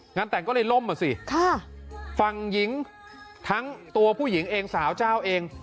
งานแต่งก็เลยล่มอ่ะสิฝั่งหญิงทั้งตัวผู้หญิงเองสาวเจ้าเอง